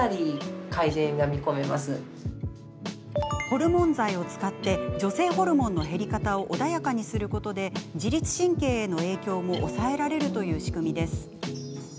ホルモン剤を使って女性ホルモンの減り方を穏やかにすることで自律神経への影響も抑えられるという仕組みです。